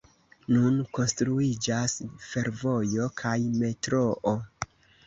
Nun konstruiĝas fervojo kaj metroo.